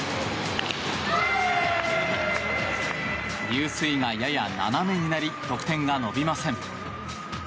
入水がやや斜めになり得点が伸びません。